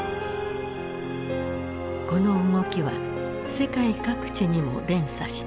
この動きは世界各地にも連鎖した。